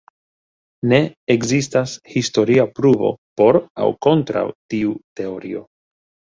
Ne ekzistas historia pruvo por aŭ kontraŭ tiu teorio.